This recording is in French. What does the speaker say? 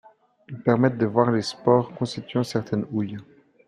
Elles permettent de voir les spores constituants certaines houilles.